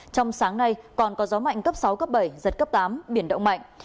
trong sáng nay còn có gió mạnh cấp sáu cấp bảy giật cấp tám biển động mạnh